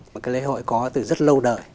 một cái lễ hội có từ rất lâu đời